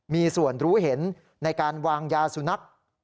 มีส่วนรู้เห็นในการวางยาสุนัข